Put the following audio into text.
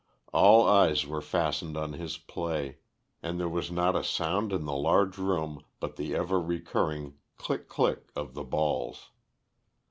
All eyes were fastened on his play, and there was not a sound in the large room but the ever recurring click click of the balls.